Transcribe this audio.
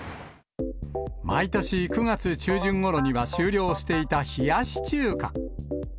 毎年９月中旬ごろには終了していた冷やし中華。